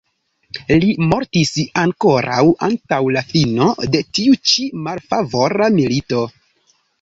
Li mortis ankoraŭ antaŭ la fino de tiu ĉi malfavora milito.